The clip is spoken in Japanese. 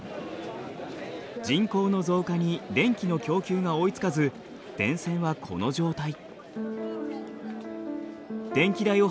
人口の増加に電気の供給が追いつかず電線はこの状態。